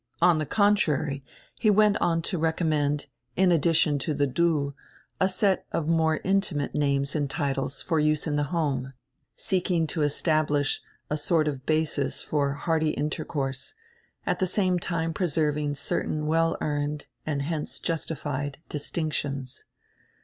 On die contrary, he went on to recom mend, in addition to die "Du," a set of more intimate names and titles for use in die home, seeking to establish a sort of basis for hearty intercourse, at the same time preserving certain well earned, and hence justified, dis tinctions.